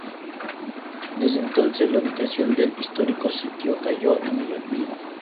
Desde entonces, la ubicación del histórico sitio cayó en el olvido.